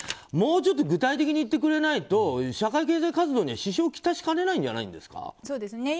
もうちょっと具体的に言ってくれないと社会経済活動には支障を来しかねないんじゃないですか？